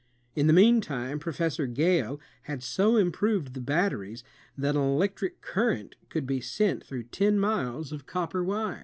In the meantime Professor Gale had so im proved the batteries that an electric current could be sent through ten miles of copper wire.